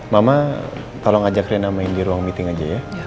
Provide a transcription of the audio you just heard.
mama tolong ajak rina main di ruang meeting aja ya